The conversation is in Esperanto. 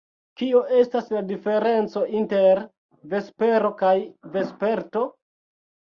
Kio estas la diferenco inter vespero kaj vesperto?